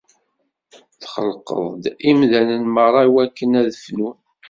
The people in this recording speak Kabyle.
Txelqeḍ-d imdanen merra iwakken ad fnun.